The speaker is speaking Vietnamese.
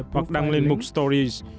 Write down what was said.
hoặc đăng lên mục stories